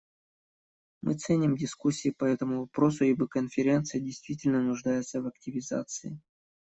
Мы ценим дискуссии по этому вопросу, ибо Конференция действительно нуждается в активизации.